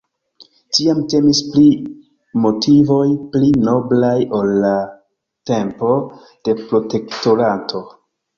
Tiam temis pri motivoj pli noblaj ol en la tempo de Protektorato.